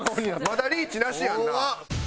まだリーチなしやんな。